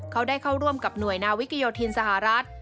เขาได้เข้าร่วมกับหน่วยนาวิกโยธินสหรัฐ